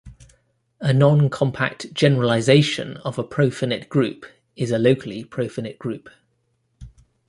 A non-compact generalization of a profinite group is a locally profinite group.